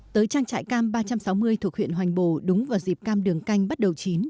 tới trang trại cam ba trăm sáu mươi thuộc huyện hoành bồ đúng vào dịp cam đường canh bắt đầu chín